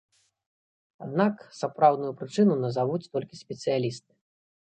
Аднак сапраўдную прычыну назавуць толькі спецыялісты.